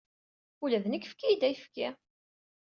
Ula d nekki efk-iyi-d ayefki.